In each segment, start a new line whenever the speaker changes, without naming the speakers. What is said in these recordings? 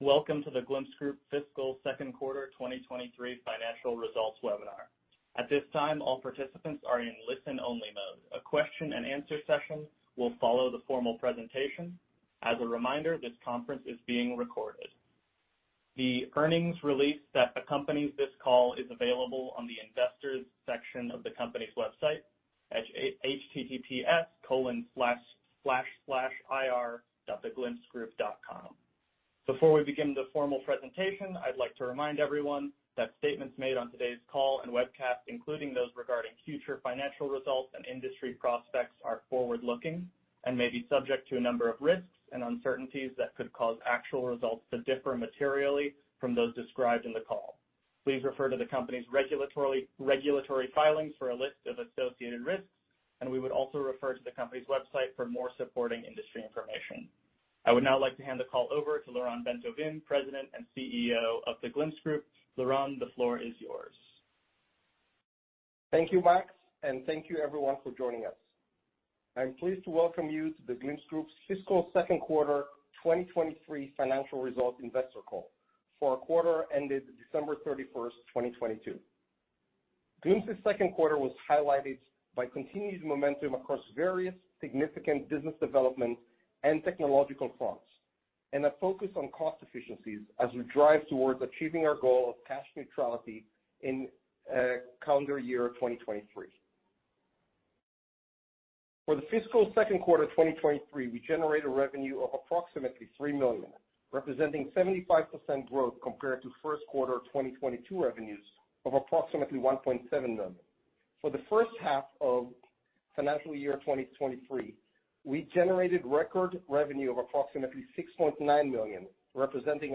Welcome to The Glimpse Group fiscal second quarter 2023 financial results webinar. At this time, all participants are in listen-only mode. A question and answer session will follow the formal presentation. As a reminder, this conference is being recorded. The earnings release that accompanies this call is available on the investors section of the company's website at https://ir.theglimpsegroup.com. Before we begin the formal presentation, I'd like to remind everyone that statements made on today's call and webcast, including those regarding future financial results and industry prospects, are forward-looking and may be subject to a number of risks and uncertainties that could cause actual results to differ materially from those described in the call. Please refer to the company's regulatory filings for a list of associated risks, and we would also refer to the company's website for more supporting industry information. I would now like to hand the call over to Lyron Bentovim, President and CEO of The Glimpse Group. Lyron, the floor is yours.
Thank you, Max, and thank you everyone for joining us. I'm pleased to welcome you to The Glimpse Group's fiscal second quarter 2023 financial results investor call for our quarter ended December 31st, 2022. Glimpse's second quarter was highlighted by continued momentum across various significant business developments and technological fronts and a focus on cost efficiencies as we drive towards achieving our goal of cash neutrality in calendar year 2023. For the fiscal second quarter 2023, we generated revenue of approximately $3 million, representing 75% growth compared to first quarter of 2022 revenues of approximately $1.7 million. For the first half of financial year 2023, we generated record revenue of approximately $6.9 million, representing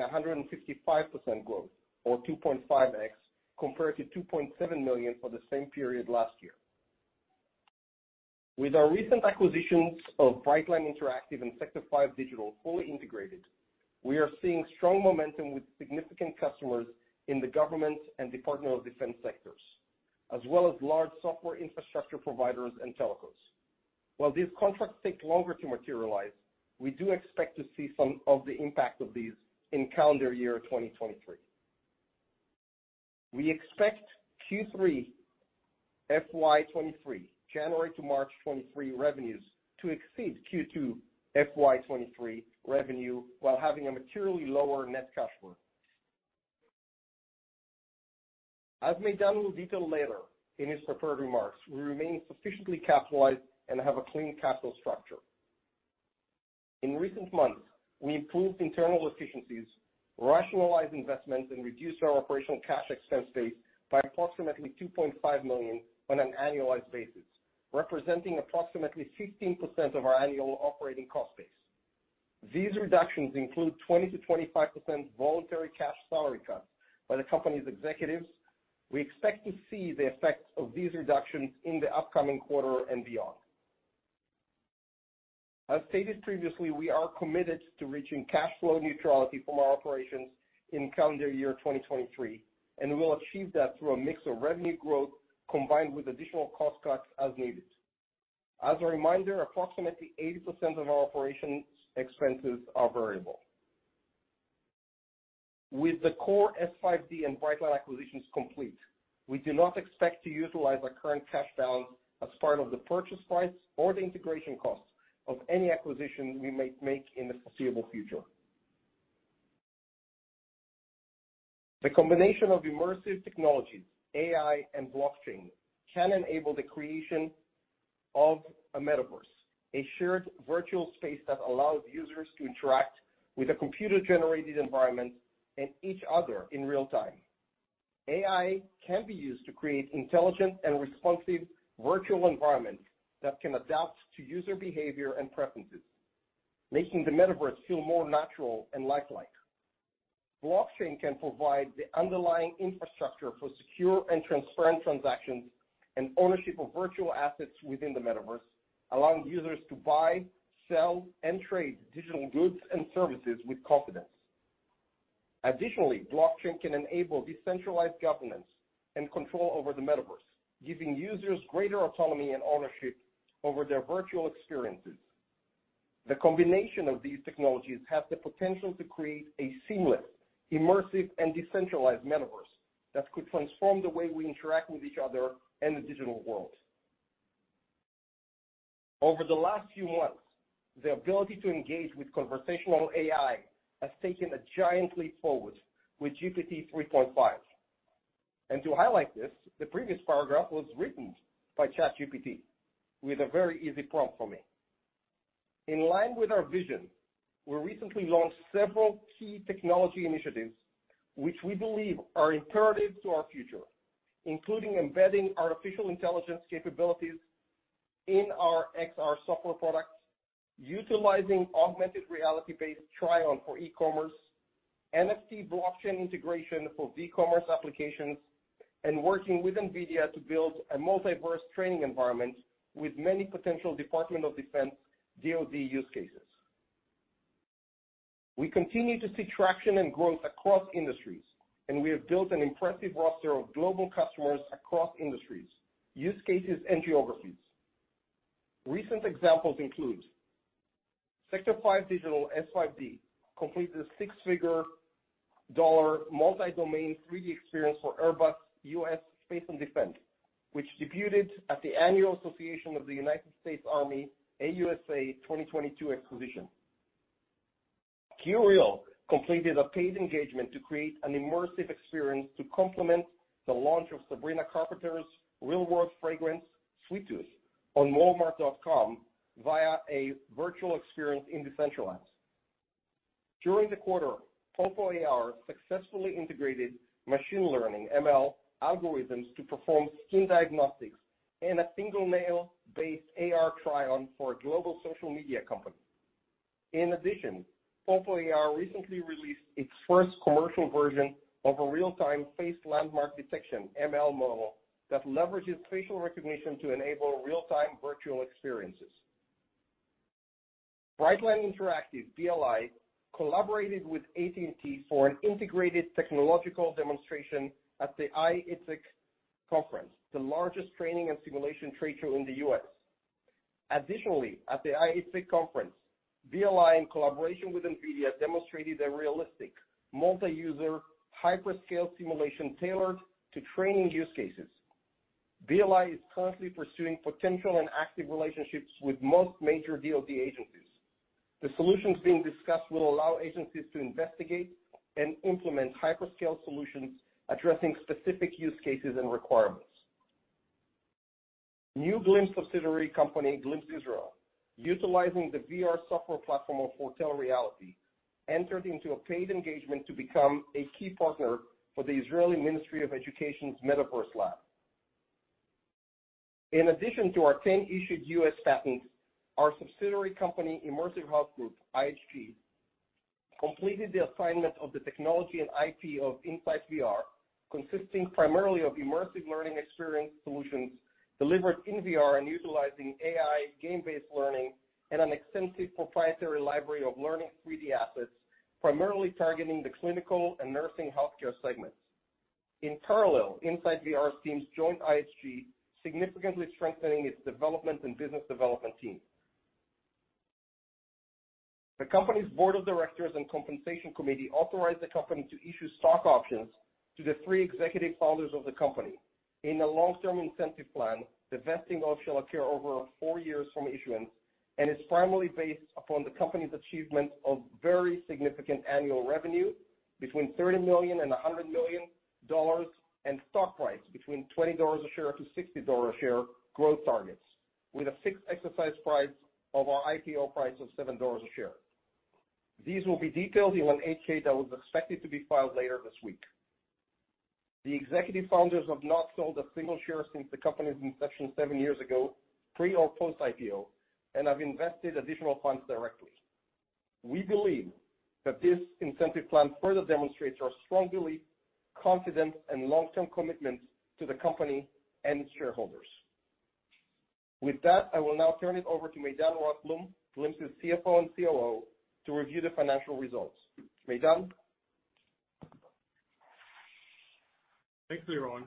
155% growth or 2.5x compared to $2.7 million for the same period last year. With our recent acquisitions of Brightline Interactive and Sector 5 Digital fully integrated, we are seeing strong momentum with significant customers in the government and Department of Defense sectors, as well as large software infrastructure providers and telcos. While these contracts take longer to materialize, we do expect to see some of the impact of these in calendar year 2023. We expect Q3 FY 2023, January to March 2023 revenues to exceed Q2 FY 2023 revenue while having a materially lower net cash flow. As Maydan detail later in his prepared remarks, we remain sufficiently capitalized and have a clean capital structure. In recent months, we improved internal efficiencies, rationalized investments, and reduced our operational cash expense base by approximately $2.5 million on an annualized basis, representing approximately 15% of our annual operating cost base. These reductions include 20%-25% voluntary cash salary cuts by the company's executives. We expect to see the effects of these reductions in the upcoming quarter and beyond. As stated previously, we are committed to reaching cash flow neutrality from our operations in calendar year 2023, and we'll achieve that through a mix of revenue growth combined with additional cost cuts as needed. As a reminder, approximately 80% of our operations expenses are variable. With the core S5D and Brightline acquisitions complete, we do not expect to utilize our current cash balance as part of the purchase price or the integration costs of any acquisition we may make in the foreseeable future. The combination of immersive technologies, AI, and blockchain can enable the creation of a metaverse, a shared virtual space that allows users to interact with a computer-generated environment and each other in real time. AI can be used to create intelligent and responsive virtual environments that can adapt to user behavior and preferences, making the metaverse feel more natural and lifelike. Blockchain can provide the underlying infrastructure for secure and transparent transactions and ownership of virtual assets within the metaverse, allowing users to buy, sell, and trade digital goods and services with confidence. Blockchain can enable decentralized governance and control over the metaverse, giving users greater autonomy and ownership over their virtual experiences. The combination of these technologies has the potential to create a seamless, immersive, and decentralized metaverse that could transform the way we interact with each other and the digital world. Over the last few months, the ability to engage with conversational AI has taken a giant leap forward with GPT-3.5. To highlight this, the previous paragraph was written by ChatGPT with a very easy prompt for me. In line with our vision, we recently launched several key technology initiatives which we believe are imperative to our future, including embedding artificial intelligence capabilities in our XR software products, utilizing augmented reality-based try-on for e-commerce, NFT blockchain integration for V-commerce applications, and working with NVIDIA to build a multiverse training environment with many potential Department of Defense (DoD) use cases. We continue to see traction and growth across industries. We have built an impressive roster of global customers across industries, use cases, and geographies. Recent examples include Sector 5 Digital (S5D) completed a six-figure dollar multi-domain 3D experience for Airbus U.S. Space & Defense, which debuted at the Annual Association of the United States Army (AUSA) 2022 Exhibition. QReal completed a paid engagement to create an immersive experience to complement the launch of Sabrina Carpenter's real-world fragrance, Sweet Tooth, on walmart.com via a virtual experience in Decentraland. During the quarter, PopAR successfully integrated machine learning, ML, algorithms to perform skin diagnostics and a single nail-based AR try-on for a global social media company. In addition, PopAR recently released its first commercial version of a real-time face landmark detection ML model that leverages facial recognition to enable real-time virtual experiences. Brightline Interactive, BLI, collaborated with AT&T for an integrated technological demonstration at the I/ITSEC conference, the largest training and simulation trade show in the U.S. At the I/ITSEC conference, BLI, in collaboration with NVIDIA, demonstrated a realistic multi-user hyper-scale simulation tailored to training use cases. BLI is currently pursuing potential and active relationships with most major DoD agencies. The solutions being discussed will allow agencies to investigate and implement hyper-scale solutions addressing specific use cases and requirements. New Glimpse subsidiary company, Glimpse Israel, utilizing the VR software platform of Vrtel Reality, entered into a paid engagement to become a key partner for the Israeli Ministry of Education's Metaverse Lab. In addition to our 10 issued U.S. patents, our subsidiary company, Immersive Health Group, IHG, completed the assignment of the technology and IP of inciteVR, consisting primarily of immersive learning experience solutions delivered in VR and utilizing AI game-based learning and an extensive proprietary library of learning three-d assets, primarily targeting the clinical and nursing healthcare segments. In parallel, inciteVR teams joined IHG, significantly strengthening its development and business development team. The company's board of directors and compensation committee authorized the company to issue stock options to the three executive founders of the company. In the long-term incentive plan, the vesting of shall occur over four years from issuance, and is primarily based upon the company's achievement of very significant annual revenue between $30 million and $100 million, and stock price between $20 a share-$60 a share growth targets, with a fixed exercise price of our IPO price of $7 a share. These will be detailed in an 8-K that was expected to be filed later this week. The executive founders have not sold a single share since the company's inception seven years ago, pre or post-IPO, and have invested additional funds directly. We believe that this incentive plan further demonstrates our strong belief, confidence, and long-term commitment to the company and its shareholders. With that, I will now turn it over to Maydan Rothblum, Glimpse's CFO and COO, to review the financial results. Maydan?
Thanks, Lyron.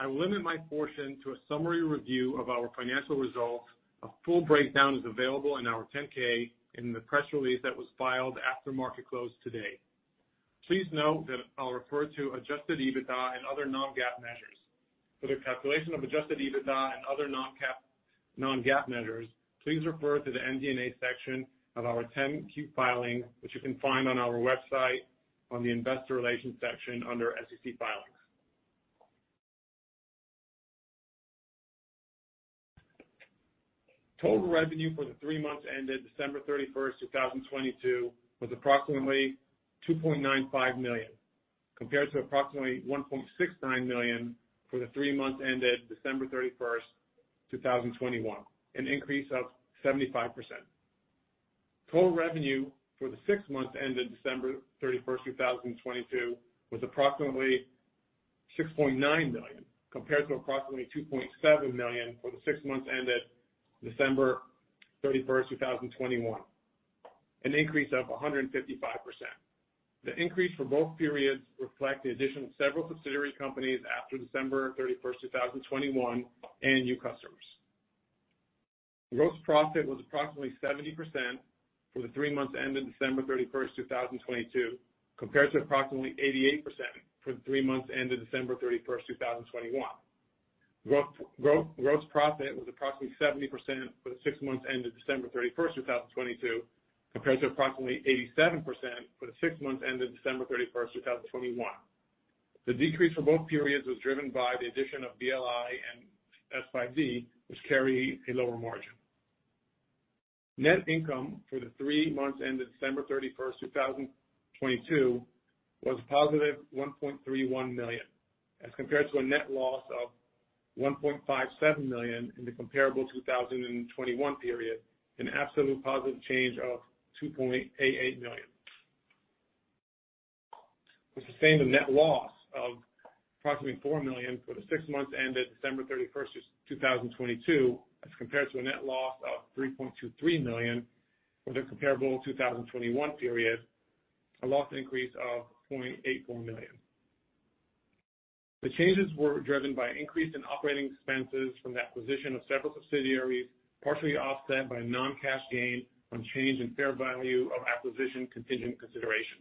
I will limit my portion to a summary review of our financial results. A full breakdown is available in our 10-K in the press release that was filed after market close today. Please note that I'll refer to adjusted EBITDA and other non-GAAP measures. For the calculation of adjusted EBITDA and other non-GAAP measures, please refer to the MD&A section of our 10-Q filing, which you can find on our website on the Investor Relations section under SEC Filings. Total revenue for the three months ended 31st December 2022 was approximately $2.95 million, compared to approximately $1.69 million for the three months ended 31st December 2021, an increase of 75%. Total revenue for the six months ended 31st December 2022 was approximately $6.9 million, compared to approximately $2.7 million for the six months ended 31st December 2021, an increase of 155%. The increase for both periods reflect the addition of several subsidiary companies after 31st December 2021, and new customers. Gross profit was approximately 70% for the three months ended 31st December 2022, compared to approximately 88% for the three months ended December 31st, 2021. Gross profit was approximately 70% for the six months ended 31st December 2022, compared to approximately 87% for the six months ended December 31st, 2021. The decrease for both periods was driven by the addition of BLI and S5D, which carry a lower margin. Net income for the three months ended December 31st, 2022 was positive $1.31 million, as compared to a net loss of $1.57 million in the comparable 2021 period, an absolute positive change of $2.88 million. We sustained a net loss of approximately $4 million for the six months ended 31st December 2022, as compared to a net loss of $3.23 million for the comparable 2021 period, a loss increase of $0.84 million. The changes were driven by increase in operating expenses from the acquisition of several subsidiaries, partially offset by non-cash gain on change in fair value of acquisition contingent consideration.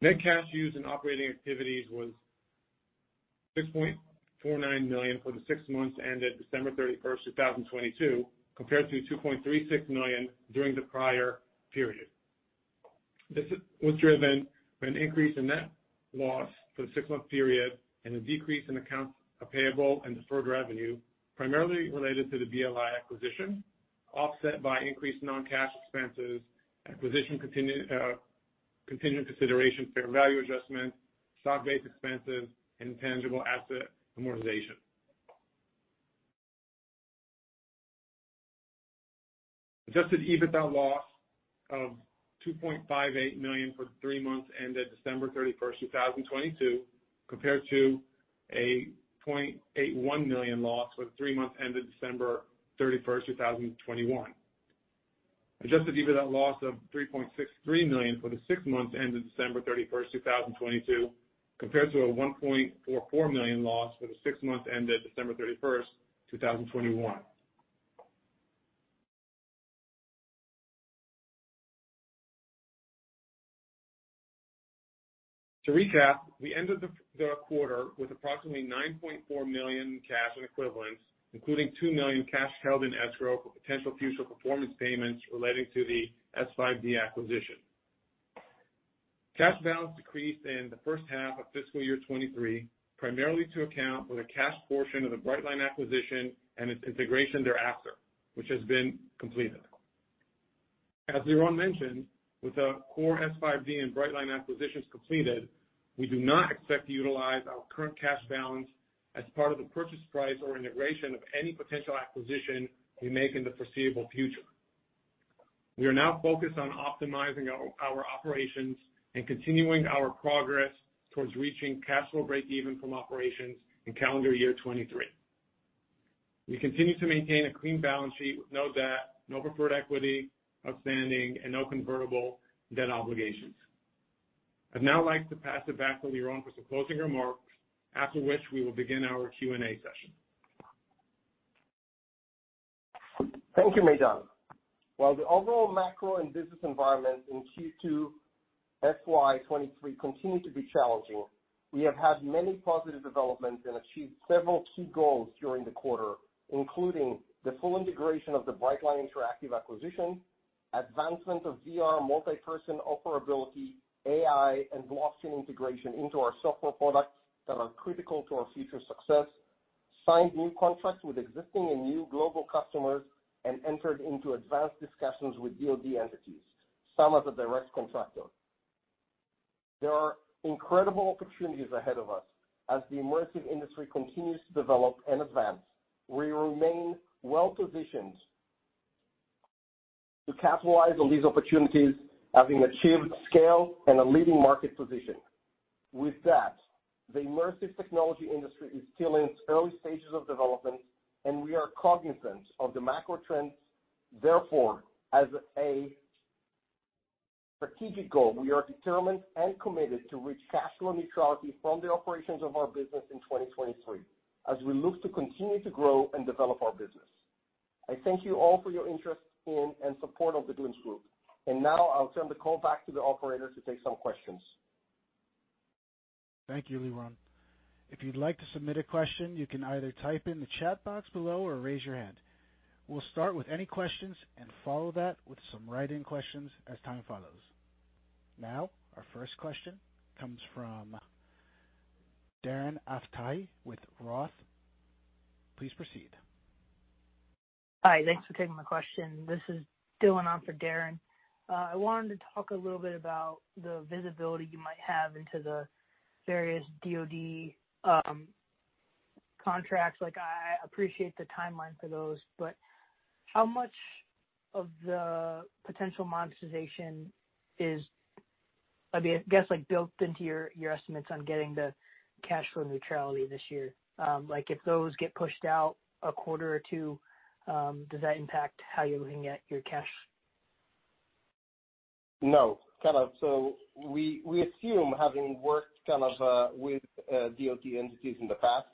Net cash used in operating activities was $6.49 million for the six months ended December 31, 2022, compared to $2.36 million during the prior period. This was driven by an increase in net loss for the six-month period and a decrease in accounts payable and deferred revenue, primarily related to the BLI acquisition, offset by increased non-cash expenses, acquisition contingent consideration fair value adjustment, stock-based expenses, and intangible asset amortization. Adjusted EBITDA loss of $2.58 million for the three months ended 31st December 2022, compared to a $0.81 million loss for the three months ended 31st December 2021. Adjusted EBITDA loss of $3.63 million for the six months ended December thirty-first 2022, compared to a $1.44 million loss for the six months ended 31st December 2021. To recap, we ended the quarter with approximately $9.4 million cash and equivalents, including $2 million cash held in escrow for potential future performance payments relating to the S5D acquisition. Cash balance decreased in the first half of fiscal year 2023, primarily to account for the cash portion of the Brightline acquisition and its integration thereafter, which has been completed. As Liron mentioned, with the core S5D and Brightline acquisitions completed, we do not expect to utilize our current cash balance as part of the purchase price or integration of any potential acquisition we make in the foreseeable future. We are now focused on optimizing our operations and continuing our progress towards reaching cash flow break even from operations in calendar year 2023. We continue to maintain a clean balance sheet with no debt, no preferred equity outstanding, and no convertible debt obligations. I'd now like to pass it back to Liron for some closing remarks, after which we will begin our Q&A session.
Thank you, Maydan. While the overall macro and business environment in Q2 FY 2023 continue to be challenging, we have had many positive developments and achieved several key goals during the quarter, including the full integration of the Brightline Interactive acquisition, advancement of VR multi-person operability AI and blockchain integration into our software products that are critical to our future success, signed new contracts with existing and new global customers, and entered into advanced discussions with DoD entities, some as a direct contractor. There are incredible opportunities ahead of us as the immersive industry continues to develop and advance. We remain well positioned to capitalize on these opportunities, having achieved scale and a leading market position. With that, the immersive technology industry is still in its early stages of development, and we are cognizant of the macro trends. Therefore, as a strategic goal, we are determined and committed to reach cash flow neutrality from the operations of our business in 2023 as we look to continue to grow and develop our business. I thank you all for your interest in and support of The Glimpse Group. Now I'll turn the call back to the operator to take some questions.
Thank you, Lyron. If you'd like to submit a question, you can either type in the chat box below or raise your hand. We'll start with any questions and follow that with some write-in questions as time follows. Our first question comes from Darren Aftahi with Roth. Please proceed.
Hi. Thanks for taking my question. This is Dylan on for Darren. I wanted to talk a little bit about the visibility you might have into the various DoD contracts. Like, I appreciate the timeline for those, but how much of the potential monetization is, I mean, I guess, like, built into your estimates on getting to cash flow neutrality this year? If those get pushed out a quarter or two, does that impact how you're looking at your cash?
No. Kind of, we assume having worked kind of, with DoD entities in the past,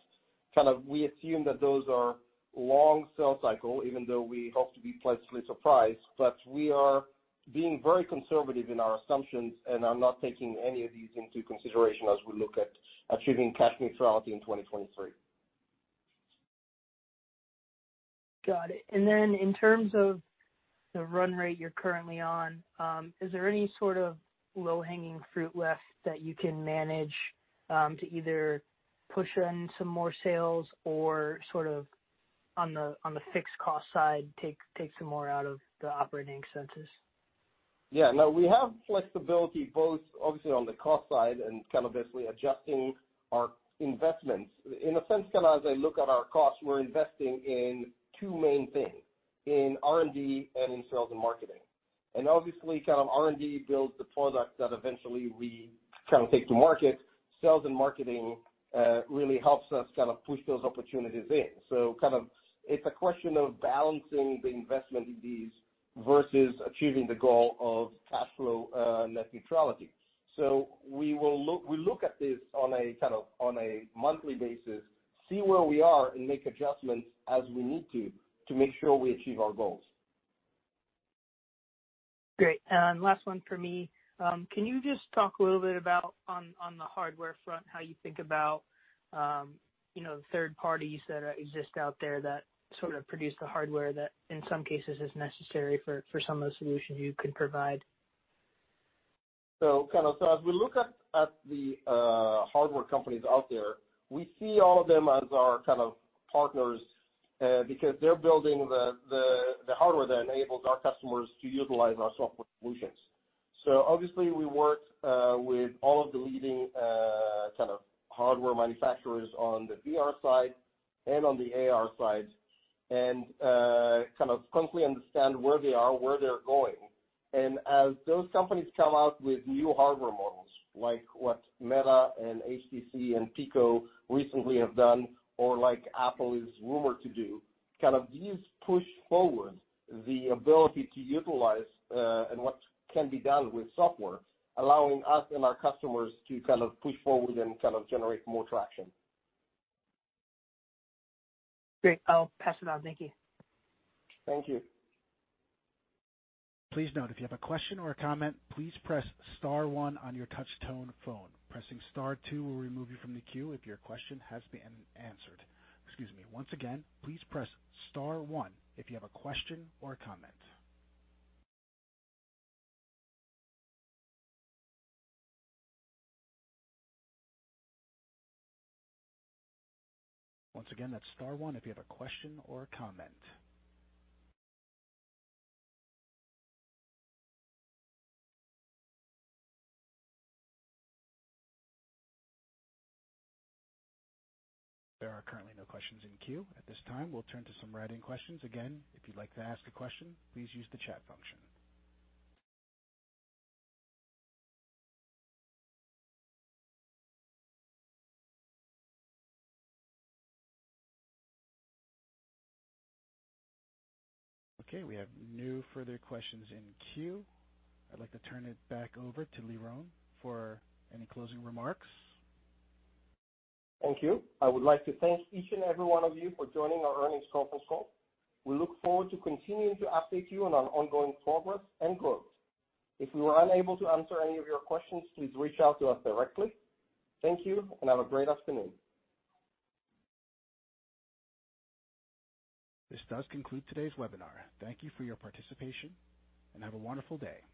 kind of, we assume that those are long sales cycle, even though we hope to be pleasantly surprised. We are being very conservative in our assumptions, and I'm not taking any of these into consideration as we look at achieving cash neutrality in 2023.
Got it. In terms of the run rate you're currently on, is there any sort of low-hanging fruit left that you can manage to either push in some more sales or sort of on the, on the fixed cost side, take some more out of the operating expenses?
Yeah. No, we have flexibility both obviously on the cost side and kind of basically adjusting our investments. In a sense, kind of as I look at our costs, we're investing in two main things, in R&D and in sales and marketing. Obviously kind of R&D builds the product that eventually we kind of take to market. Sales and marketing really helps us kind of push those opportunities in. Kind of it's a question of balancing the investment in these versus achieving the goal of cash flow net neutrality. We look at this on a, kind of on a monthly basis. See where we are and make adjustments as we need to make sure we achieve our goals.
Great. Last one for me. Can you just talk a little bit about on the hardware front, how you think about, you know, third parties that exist out there that sort of produce the hardware that in some cases is necessary for some of the solutions you can provide?
Kind of as we look at the hardware companies out there, we see all of them as our kind of partners because they're building the hardware that enables our customers to utilize our software solutions. Obviously we work with all of the leading kind of hardware manufacturers on the VR side and on the AR side, and kind of constantly understand where they are, where they're going. As those companies come out with new hardware models, like what Meta and HTC and PICO recently have done, or like Apple is rumored to do, kind of these push forward the ability to utilize and what can be done with software, allowing us and our customers to kind of push forward and kind of generate more traction.
Great. I'll pass it on. Thank you.
Thank you.
Please note if you have a question or a comment, please press star one on your touch tone phone. Pressing star two will remove you from the queue if your question has been answered. Excuse me. Once again, please Press Star one if you have a question or a comment. Once again, that's star one if you have a question or a comment. There are currently no questions in queue at this time. We'll turn to some write-in questions. Again, if you'd like to ask a question, please use the chat function. Okay, we have no further questions in queue. I'd like to turn it back over to Liron for any closing remarks.
Thank you. I would like to thank each and every one of you for joining our earnings conference call. We look forward to continuing to update you on our ongoing progress and growth. If we were unable to answer any of your questions, please reach out to us directly. Thank you, and have a great afternoon.
This does conclude today's webinar. Thank you for your participation, and have a wonderful day.